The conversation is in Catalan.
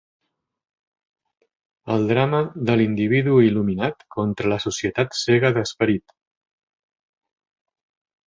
El drama de l'individu il·luminat contra la societat cega d'esperit